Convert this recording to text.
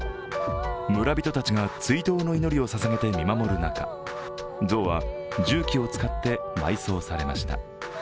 村人たちが追悼の祈りを捧げて見守る中、象は重機を使って埋葬されました。